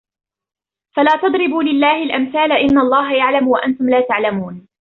فلا تضربوا لله الأمثال إن الله يعلم وأنتم لا تعلمون